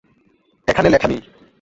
এখানে লেখা নেই।